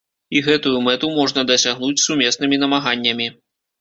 І гэтую мэту можна дасягнуць сумеснымі намаганнямі.